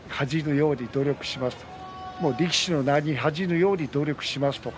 力士の名に恥じぬように努力します。